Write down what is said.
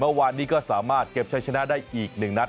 เมื่อวานนี้ก็สามารถเก็บใช้ชนะได้อีก๑นัด